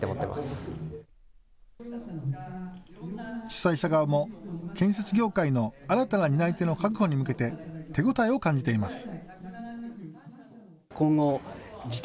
主催者側も建設業界の新たな担い手の確保に向けて手応えを感じています。